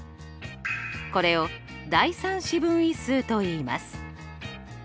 これを第３四分位数といいます。